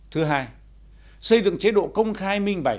thứ hai xây dựng chế độ công khai minh bạch